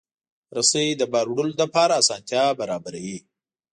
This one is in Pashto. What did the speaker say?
رسۍ د بار وړلو لپاره اسانتیا برابروي.